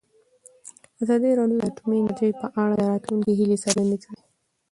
ازادي راډیو د اټومي انرژي په اړه د راتلونکي هیلې څرګندې کړې.